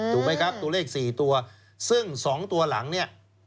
ถูกไหมครับตัวเลข๔ตัวซึ่ง๒ตัวหลังเนี่ย